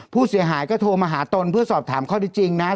ผู้เสียหายก็โทรมาหาตนเพื่อสอบถามข้อที่จริงนะ